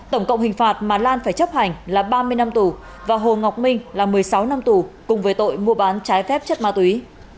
tổng cộng hình phạt mà lan phải chấp hành là ba mươi năm tù và hồ ngọc minh là một mươi sáu năm tù cùng với tội mua bán trái phép chất ma túy